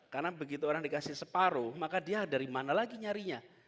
karena begitu orang dikasih separuh maka dia dari mana lagi nyarinya